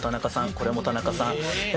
これも田中さんえ